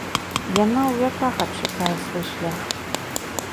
Яна ў вяках адшукае свой шлях.